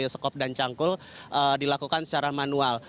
yang canggul dilakukan secara manual